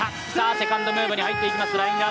セカンドムーブに入っていきます。